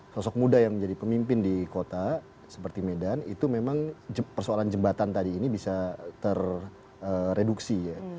sosok muda yang menjadi pemimpin di kota seperti medan itu memang persoalan jembatan tadi ini bisa terreduksi ya